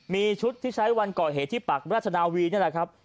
มีชุดที่ใช้วันก่อเหตุที่ปากราชนาวีนี่แหละครับ